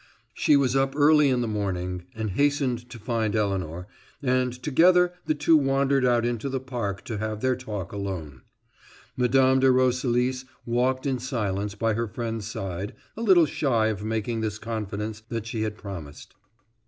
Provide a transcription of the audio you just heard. She was up early in the morning, and hastened to find Elinor, and together the two wandered out into the park to have their talk alone. Mme. de Roselis walked in silence by her friend's side, a little shy of making this confidence that she had promised.